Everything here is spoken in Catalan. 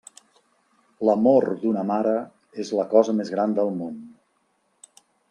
L'amor d'una mare és la cosa més gran del món.